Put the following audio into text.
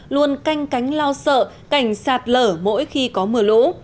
luôn canh cánh lo sợ cảnh sạt lở mỗi khi có mưa lũ